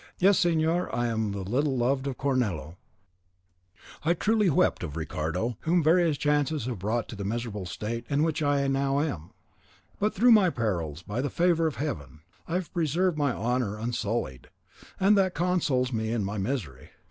Yes, señor, I am the little loved of Cornello, the truly wept of Ricardo, whom various chances have brought to the miserable state in which I now am; but through all my perils, by the favour of Heaven, I have preserved my honour unsullied, and that consoles me in my misery.